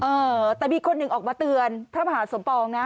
เออแต่มีคนหนึ่งออกมาเตือนพระมหาสมปองนะ